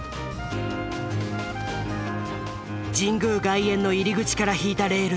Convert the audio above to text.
神宮外苑の入り口から引いたレール。